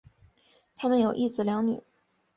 他们有一子两女。